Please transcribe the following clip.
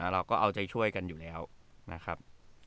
เราก็เอาใจช่วยกันอยู่แล้วนะครับ